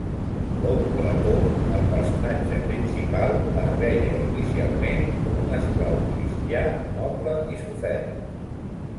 L'oncle Tom, el personatge principal, es veia inicialment com un esclau cristià noble i sofert.